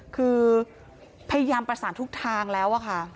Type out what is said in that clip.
คือพยายามประสานทุกทางแล้วอะค่ะ